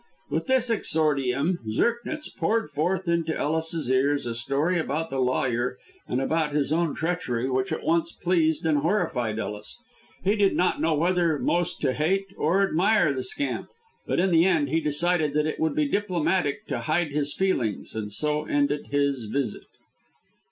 With this exordium Zirknitz poured forth into Ellis's ears a story about the lawyer and about his own treachery which at once pleased and horrified Ellis. He did not know whether most to hate or admire the scamp; but in the end he decided that it would be diplomatic to hide his feelings, and so ended his visit.